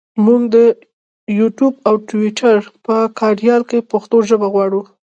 مونږ د یوټوپ او ټویټر په کاریال کې پښتو ژبه غواړو.